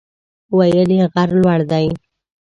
ویل یې غر لوړ دی.